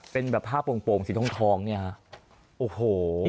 เป็นแบบผ้าปลงสีทองเนี่ยฮะ